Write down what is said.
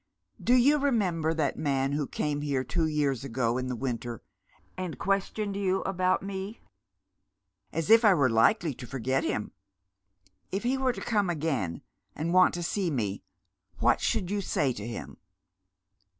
Do you remember that man who came here two years ago in the winter, and questioned you about me ?"" As if I were likely to forget him !"" If he were to come again, and want to see me, what should you say to him